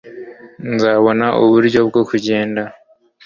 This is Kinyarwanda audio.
nzabona uburyo bwo kugenda